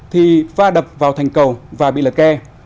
thì va đập vào thành cầu và bị lật ghe